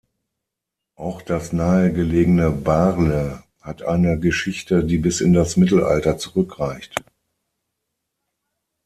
Auch das nahegelegene Baarle hat eine Geschichte die bis in das Mittelalter zurückreicht.